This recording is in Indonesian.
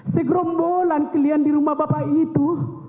segrombolan kalian di rumah bapak itu